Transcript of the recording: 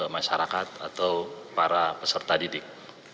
masyarakat atau para peserta didik